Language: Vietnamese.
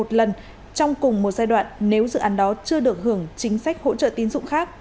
trong cùng một giai đoạn nếu dự án đó chưa được hưởng chính sách hỗ trợ tín dụng khác